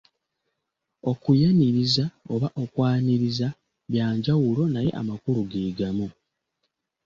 Okuyaniriza oba okwaniriza bya njawulo naye amakulu ge gamu.